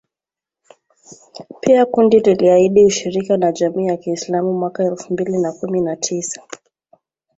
Pia kundi liliahidi ushirika na Jamii ya kiislamu mwaka elfu mbili na kumi na tisa